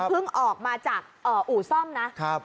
พึ่งออกมาจากอู่ซ่อมนะครับ